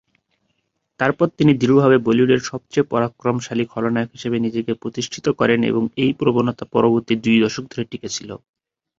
তারপর তিনি দৃঢ়ভাবে বলিউডের সবচেয়ে পরাক্রমশালী খলনায়ক হিসাবে নিজেকে প্রতিষ্ঠিত করেন এবং এই প্রবণতা পরবর্তী দুই দশক ধরে টিকে ছিল।